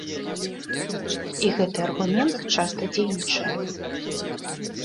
І гэты аргумент часта дзейнічае.